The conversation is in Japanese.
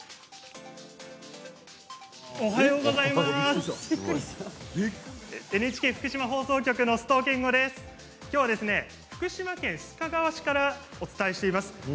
おはようございます。